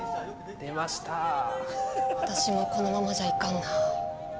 私もこのままじゃいかんな。